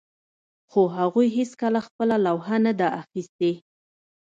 خو هغوی هیڅکله خپله لوحه نه ده اخیستې